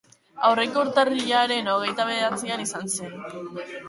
Aurreko urtarrilaren hogeita bederatzian izan zen.